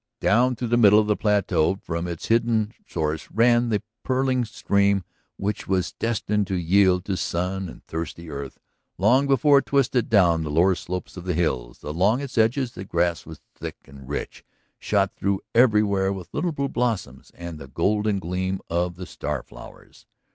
Down through the middle of the plateau from its hidden source ran the purling stream which was destined to yield to sun and thirsty earth long before it twisted down the lower slopes of the hills. Along its edges the grass was thick and rich, shot through everywhere with little blue blossoms and the golden gleam of the starflowers.